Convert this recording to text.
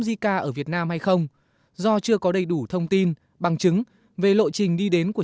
zika ở việt nam hay không do chưa có đầy đủ thông tin bằng chứng về lộ trình đi đến của